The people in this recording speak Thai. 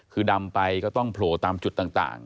คือดำไปก็ต้องโผล่ตามจุดต่าง